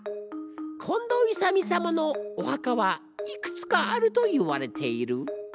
近藤勇様のお墓はいくつかあるといわれている。